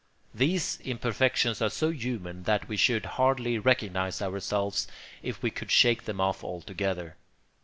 These imperfections are so human that we should hardly recognise ourselves if we could shake them off altogether.